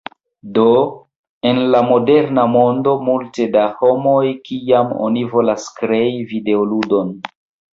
Do en la moderna mondo multe da homoj, kiam oni volas krei videoludon